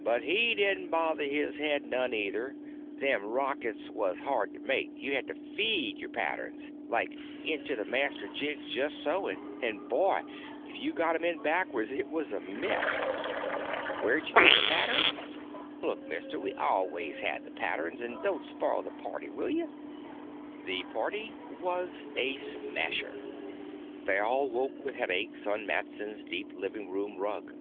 But he din't bother his head none either; them rockets was hard to make, you had to feed the patterns, like, into the master jigs just so, and, boy!, if you got 'em in backwards it was a mess. Wheredja get the patterns? Look, mister, we always had the patterns, an' don't spoil the party, will ya? The party was a smasher. They all woke with headaches on Matson's deep living room rug.